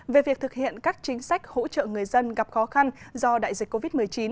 về việc thực hiện các chính sách hỗ trợ người dân gặp khó khăn do đại dịch covid một mươi chín